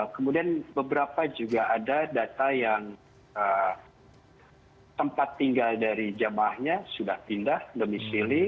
kemudian beberapa juga ada data yang tempat tinggal dari jemaahnya sudah pindah demi silih